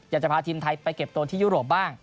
อยากจะพาทีมไทยไปเก็บตัวที่ยุโรปบ้าง